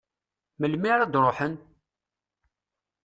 Melmi ara d-ruḥen?